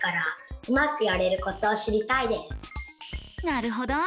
なるほど。